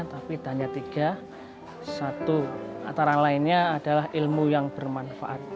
tapi hanya tiga satu antara lainnya adalah ilmu yang bermanfaat